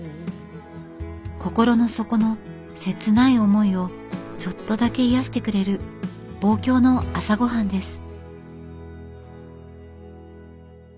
心の底の切ない思いをちょっとだけ癒やしてくれる望郷の朝ごはんです。